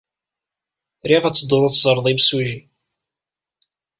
Riɣ ad teddud ad teẓred imsujji.